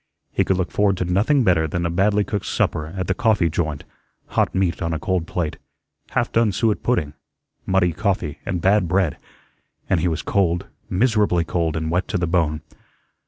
He could look forward to nothing better than a badly cooked supper at the coffee joint hot meat on a cold plate, half done suet pudding, muddy coffee, and bad bread, and he was cold, miserably cold, and wet to the bone.